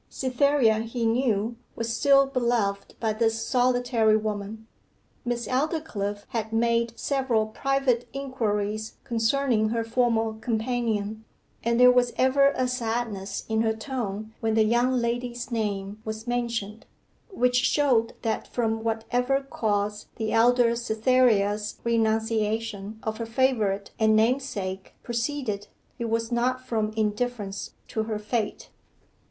Cytherea, he knew, was still beloved by this solitary woman. Miss Aldclyffe had made several private inquiries concerning her former companion, and there was ever a sadness in her tone when the young lady's name was mentioned, which showed that from whatever cause the elder Cytherea's renunciation of her favourite and namesake proceeded, it was not from indifference to her fate.